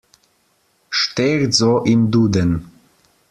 Steht so im Duden.